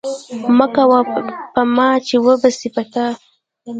مه کوه په ما، چي وبه سي په تا